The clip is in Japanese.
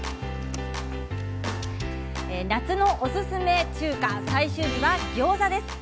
夏のおすすめ中華最終日はギョーザです。